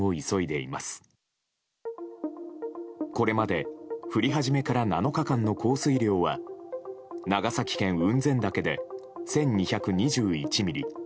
これまで降り始めから７日間の降水量は長崎県雲仙岳で１２２１ミリ